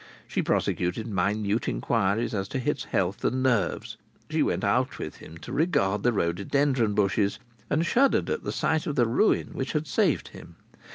She prosecuted minute inquiries as to his health and nerves. She went out with him to regard the rhododendron bushes, and shuddered at the sight of the ruin which had saved him.